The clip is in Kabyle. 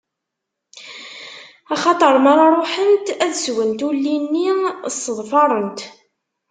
Axaṭer mi ara ṛuḥent ad swent, ulli-nni sseḍfarent.